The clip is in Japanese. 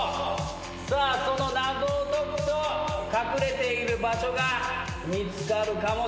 さあその謎を解くと隠れている場所が見つかるかもしれない。